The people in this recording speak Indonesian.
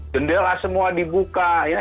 jendela semua dibuka ya